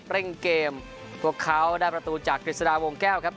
เร่งเกมพวกเขาได้ประตูจากกฤษฎาวงแก้วครับ